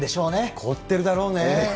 凝っているだろうね。